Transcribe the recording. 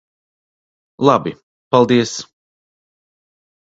Labi. Paldies.